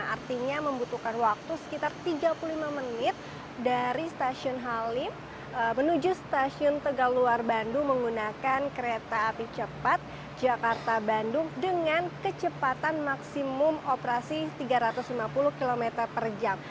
artinya membutuhkan waktu sekitar tiga puluh lima menit dari stasiun halim menuju stasiun tegal luar bandung menggunakan kereta api cepat jakarta bandung dengan kecepatan maksimum operasi tiga ratus lima puluh km per jam